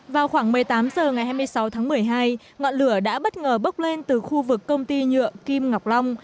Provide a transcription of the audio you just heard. vào khoảng một mươi tám h ngày hai mươi sáu tháng một mươi hai ngọn lửa đã bất ngờ bốc lên từ khu vực công ty nhựa kim ngọc long